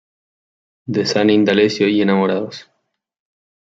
De San Indalecio y Enamorados.